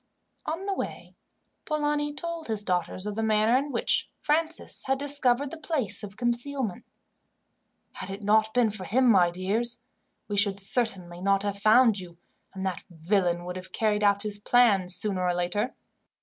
On the way, Polani told his daughters of the manner in which Francis had discovered the place of concealment. "Had it not been for him, my dears, we should certainly not have found you, and that villain would have carried out his plans, sooner or later.